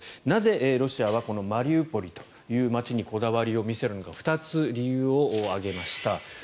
なぜ、ロシアはこのマリウポリという街にこだわりを見せるのか２つ、理由を挙げました。